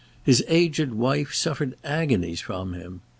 His aged wife suffered agonies from him.